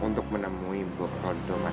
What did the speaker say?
untuk menemui bu rondo mantingan